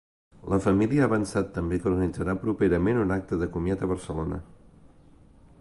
La família ha avançat també que organitzarà properament un acte de comiat a Barcelona.